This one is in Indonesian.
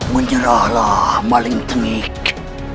menyerahlah maling tengik